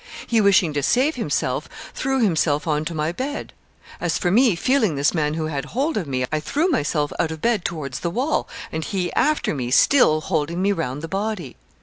He, wishing to save himself, threw himself on to my bed; as for me, feeling this man who had hold of me, I threw myself out of bed towards the wall, and he after me, still holding me round the body.